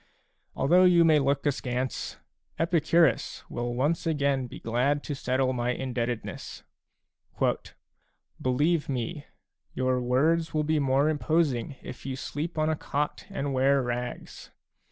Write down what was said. Although you may look askance, Epicurus a will once again be glad to settle my indebtedness :" Believe me, your words will be more imposing if you sleep on a cot and wear rags.